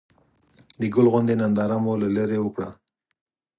د ګل غونډۍ ننداره مو له ليرې وکړه.